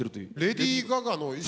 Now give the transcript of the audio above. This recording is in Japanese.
レディー・ガガの衣装。